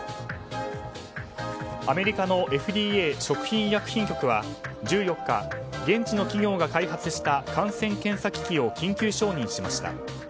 アメリカのＦＤＡ・食品医薬品局は１４日現地の企業が開発した感染検査機器を緊急承認しました。